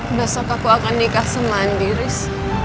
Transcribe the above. masa kaku akan nikah sama andi ris